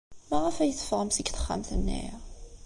Maɣef ay teffɣem seg texxamt-nni?